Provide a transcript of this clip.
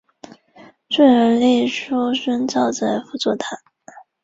高端型号都在美国制造。